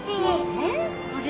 えっこれ？